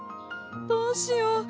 どうしよう？